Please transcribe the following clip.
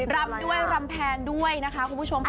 รำด้วยรำแพนด้วยนะคะคุณผู้ชมค่ะ